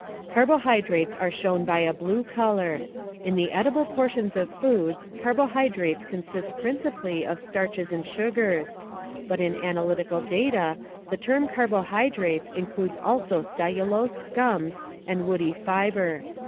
Carbohydrates are shown by a blue color. In the edible portions of foods, carbohydrates consist principally of starches and sugars; but in analytical data the term "carbohydrates" includes also cellulose, gums, and woody fiber.